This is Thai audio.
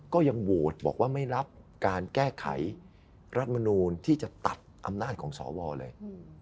ก็ยังโหวตบอกว่าไม่รับการแก้ไขรัฐมนูลที่จะตัดอำนาจของสวเลย